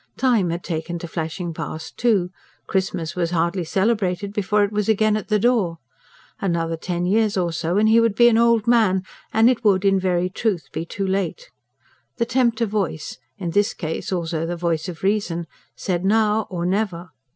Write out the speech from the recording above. Time had taken to flashing past, too; Christmas was hardly celebrated before it was again at the door. Another ten years or so and he would be an old man, and it would in very truth be too late. The tempter voice in this case also the voice of reason said: now or never!